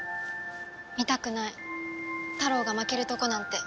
見たくないタロウが負けるとこなんて。